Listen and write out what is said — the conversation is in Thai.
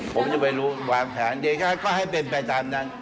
ผมจะไปรู้วางแผนดีก็ให้เป็นไปตามนั้น